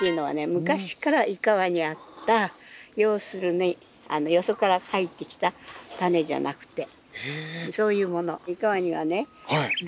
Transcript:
昔から井川にあった要するによそから入ってきた種じゃなくてそういうもの。